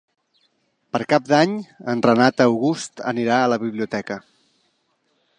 Per Cap d'Any en Renat August anirà a la biblioteca.